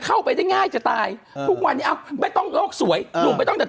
ครับผมว่างไงพี่หนุ่มก็เอาซะหน่อย